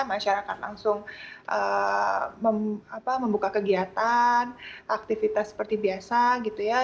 masyarakat langsung membuka kegiatan aktivitas seperti biasa gitu ya